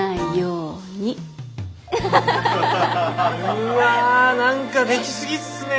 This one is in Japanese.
うわ何か出来すぎっすね。